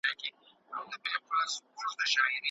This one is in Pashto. هیلې خپل تور بخمل کالي په موټي کې کلک ونیول.